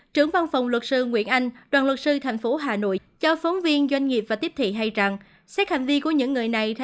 trưởng văn phòng luật sư nguyễn anh đoàn luật sư tp hà nội cho phóng viên doanh nghiệp và tiếp thị hay rằng